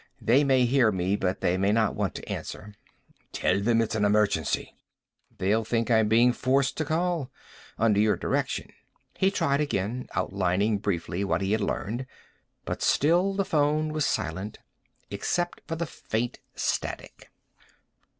They may hear me but they may not want to answer." "Tell them it's an emergency." "They'll think I'm being forced to call. Under your direction." He tried again, outlining briefly what he had learned. But still the phone was silent, except for the faint static.